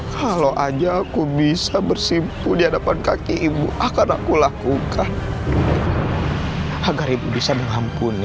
kalau aja aku bisa bersimpu di hadapan kaki ibu akan aku lakukan agar ibu bisa mengampuni